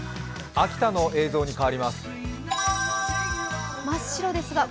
秋田の映像に変わります。